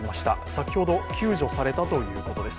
先ほど救助されたということです。